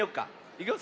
いくよ。